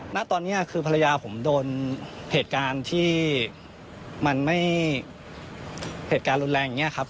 ณตอนนี้คือภรรยาผมโดนเหตุการณ์ที่มันไม่เหตุการณ์รุนแรงอย่างนี้ครับ